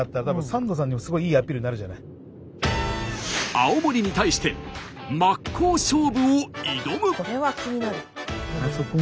青森に対して真っ向勝負を挑む。